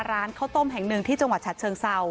ร้านข้าวต้มแห่งหนึ่งที่จังหวัดฉัดเชิงเศร้า